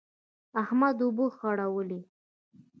احمد اوبه خړولې.